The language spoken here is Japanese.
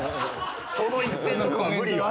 その一点突破は無理よ。